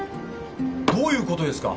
どういうことですか！